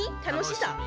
楽しさ？